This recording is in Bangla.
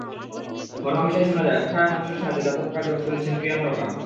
হরহামেশাই শোনা যায়, অসহায় মানুষের সাহায্যে দাতব্য কাজে অংশ নিচ্ছেন ক্রীড়া তারকারা।